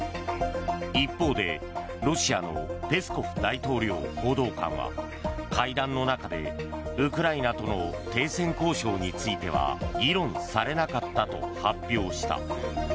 一方で、ロシアのペスコフ大統領報道官は会談の中でウクライナとの停戦交渉については議論されなかったと発表した。